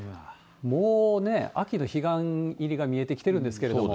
もうね、秋の彼岸入りが見えてきてるんですけれども。